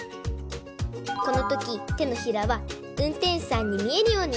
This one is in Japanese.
このときてのひらはうんてんしゅさんにみえるように！